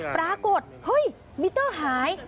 ปรากฏเฮ้ยมิเตอร์หาย